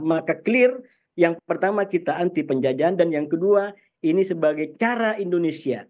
maka clear yang pertama kita anti penjajahan dan yang kedua ini sebagai cara indonesia